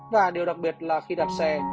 và điều đặc biệt là khi đạp xe